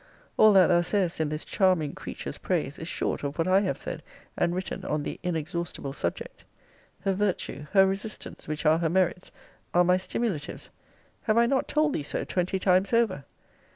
All that thou sayest in this charming creature's praise is short of what I have said and written on the inexhaustible subject. Her virtue, her resistance, which are her merits, are my stimulatives. have I not told thee so twenty times over?